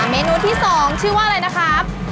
เมนูที่๒ชื่อว่าอะไรนะครับ